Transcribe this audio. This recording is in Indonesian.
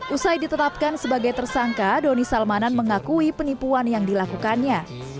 usai ditetapkan sebagai tersangka doni salmanan mengakui penipuan yang dilakukannya